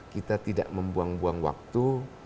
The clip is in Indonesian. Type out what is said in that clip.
kita tidak membuang buang waktu